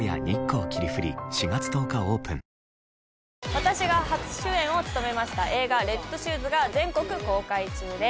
私が初主演を務めました映画『レッドシューズ』が全国公開中です。